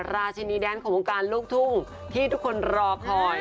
ราชินีแดนของวงการลูกทุ่งที่ทุกคนรอคอย